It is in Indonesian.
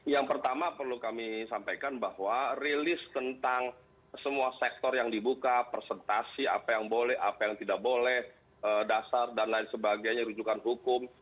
yang pertama perlu kami sampaikan bahwa rilis tentang semua sektor yang dibuka presentasi apa yang boleh apa yang tidak boleh dasar dan lain sebagainya rujukan hukum